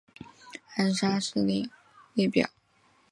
暗杀事件列表